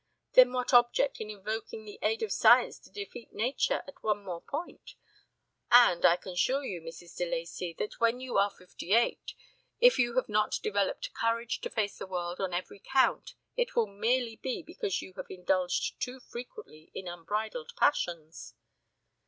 "Then what object in invoking the aid of science to defeat nature at one more point? And I can assure you, dear Mrs. de Lacey, that when you are fifty eight, if you have not developed courage to face the world on every count it will merely be because you have indulged too frequently in unbridled passions."